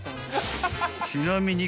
［ちなみに］